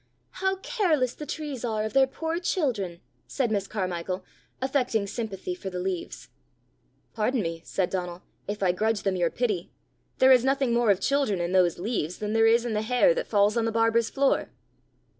"How careless the trees are of their poor children!" said Miss Carmichael, affecting sympathy for the leaves. "Pardon me," said Donal, "if I grudge them your pity: there is nothing more of children in those leaves than there is in the hair that falls on the barber's floor."